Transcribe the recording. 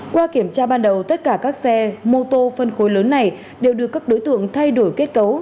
qua kiểm tra ban đầu tất cả các xe mô tô phân khối lớn này đều được các đối tượng thay đổi kết cấu